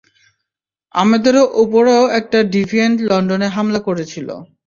আমাদেরও উপরও একটা ডিভিয়েন্ট লন্ডনে হামলা করেছিলো।